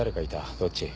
どっち？